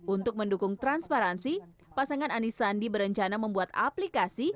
untuk mendukung transparansi pasangan anis sandi berencana membuat aplikasi